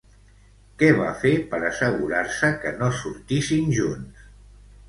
Què va fer per assegurar-se que no sortissin junts?